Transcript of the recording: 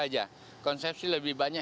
saja konsepsi lebih banyak